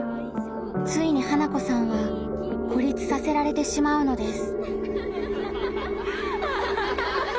ついに花子さんは孤立させられてしまうのです。